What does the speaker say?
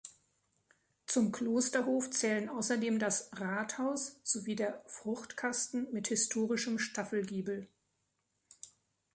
Zum Klosterhof zählen außerdem das "Rathaus" sowie der "Fruchtkasten" mit historischem Staffelgiebel.